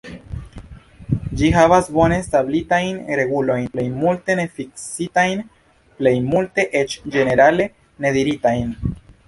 Ĝi havas bone establitajn regulojn, plejmulte nefiksitajn, plejmulte eĉ ĝenerale nediritajn.